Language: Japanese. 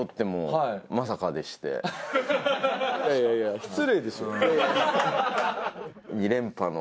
いやいやいや失礼でしょ。